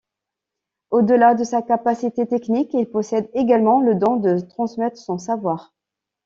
Au-delà de sa capacité technique, il possède également le don de transmettre son savoir.